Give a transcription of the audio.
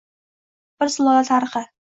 Bir sulola tarixi